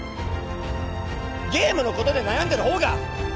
ゲームのことで悩んでるほうが！